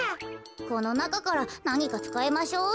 このなかからなにかつかいましょう。